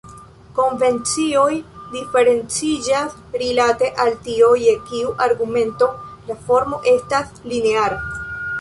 Konvencioj diferenciĝas rilate al tio je kiu argumento la formo estas lineara.